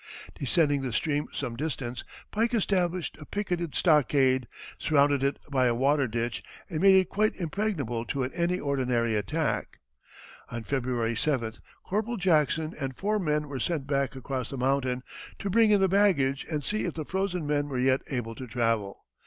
Descending the stream some distance, Pike established a picketed stockade, surrounded it by a water ditch and made it quite impregnable to any ordinary attack. On February 7th Corporal Jackson and four men were sent back across the mountain, to bring in the baggage and see if the frozen men were yet able to travel.